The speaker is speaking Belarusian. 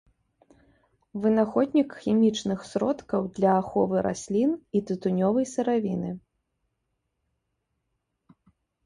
Вынаходнік хімічных сродкаў для аховы раслін і тытунёвай сыравіны.